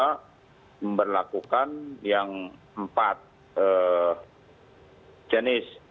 kita memperlakukan yang empat jenis